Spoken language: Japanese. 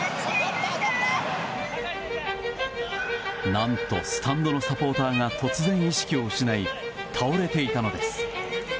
何と、スタンドのサポーターが突然、意識を失い倒れていたのです。